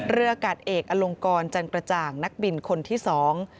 อากาศเอกอลงกรจันกระจ่างนักบินคนที่สอง